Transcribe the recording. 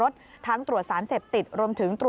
สวัสดีค่ะ